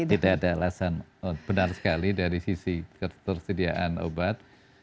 tidak ada alasan benar sekali dari sisi ketersediaan obat